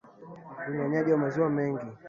Unyonyaji wa maziwa mengi